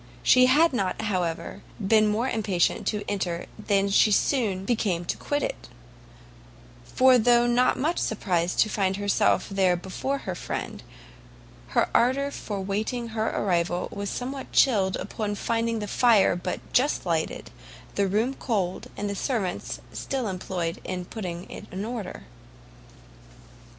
She had not, however, been more impatient to enter than she soon became to quit it; for though not much surprized to find herself there before her friend, her ardour for waiting her arrival was somewhat chilled, upon finding the fire but just lighted, the room cold, and the servants still employed in putting it in order.